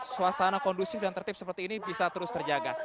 suasana kondusif dan tertib seperti ini bisa terus terjaga